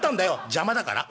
「邪魔だから？」。